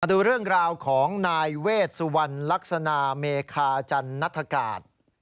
ดูเรื่องราวของนายเวชสุวรรณลักษณะเมคาจันนัฐกาศ